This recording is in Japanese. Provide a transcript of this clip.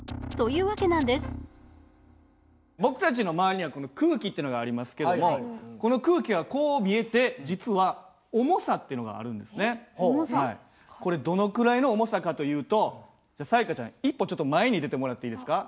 僕たちの周りには空気ってのがありますけどもこの空気はこう見えて実はこれどのくらいの重さかというと彩加ちゃん１歩前に出てもらっていいですか。